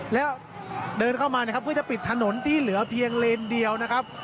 แล้วเดินเข้ามานะครับเพื่อจะปิดถนนที่เหลือเพียงเลนเดียวนะครับ